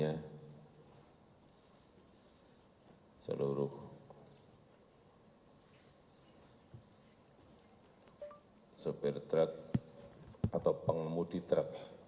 dan seluruh sopir truk atau pengemudi truk